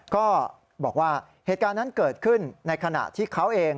ก็บอกว่าเหตุการณ์นั้นเกิดขึ้นในขณะที่เขาเอง